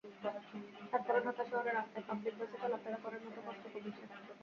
তারপরও ঢাকা শহরে রাস্তায় পাবলিক বাসে চলাফেরা করার মতো কষ্ট কমেছে।